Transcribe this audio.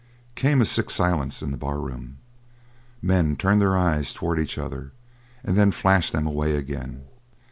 Came a sick silence in the barroom. Men turned their eyes towards each other and then flashed them away again.